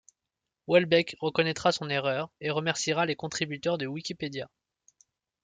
Houellebecq reconnaîtra son erreur et remerciera les contributeurs de Wikipédia.